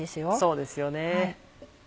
そうですよね。